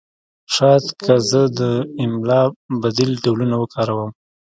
شاید که زه د املا بدیل ډولونه وکاروم